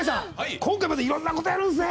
今回またいろんなことするんですね。